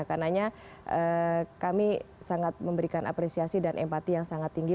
karena kami sangat memberikan apresiasi dan empati yang sangat tinggi